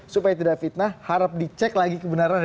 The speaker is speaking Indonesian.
supaya tidak fitnah harap dicek lagi kebenarannya